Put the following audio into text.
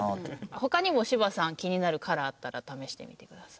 他にも芝さん気になるカラーあったら試してみてください。